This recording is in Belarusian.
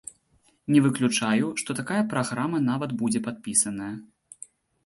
Не выключаю, што такая праграма нават будзе падпісаная.